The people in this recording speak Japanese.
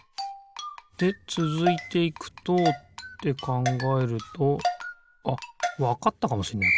でつづいていくとってかんがえるとあっわかったかもしんない